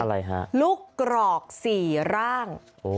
ลูกกลอกสี่ร่าง